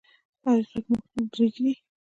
ایا غږ مو ریږدي؟